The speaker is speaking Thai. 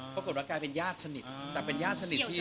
ปรากฏว่ากลายเป็นญาติสนิทแต่เป็นญาติสนิทที่